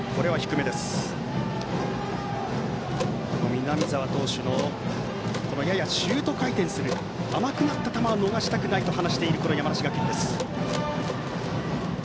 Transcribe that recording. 南澤投手のややシュート回転する甘くなった球は逃したくないと話している山梨学院です。